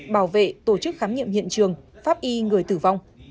bảo vệ tổ chức khám nghiệm hiện trường pháp y người tử vong